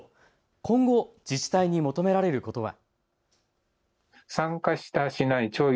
今後、自治体に求められることは。